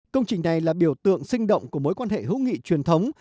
công trình này là biểu tượng sinh động của mối quan hệ hữu nghị truyền thống